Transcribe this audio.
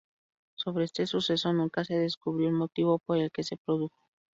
Sobre este suceso nunca se descubrió el motivo por el que se produjo.